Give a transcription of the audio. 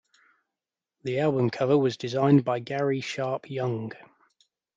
The album cover was designed by Garry Sharpe-Young.